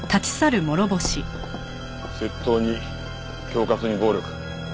窃盗に恐喝に暴力。